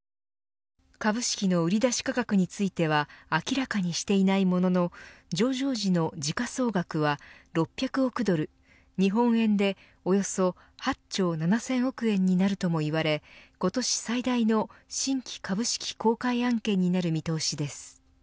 株式の売り出し価格については明らかにしていないものの上場時の時価総額は６００億ドル日本円でおよそ８兆７０００億円になるともいわれ今年最大の新規株式公開案件になる見通しです。